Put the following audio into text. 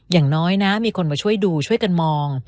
อย่างน้อยนะมีคนมาช่วยดูช่วยกันมอง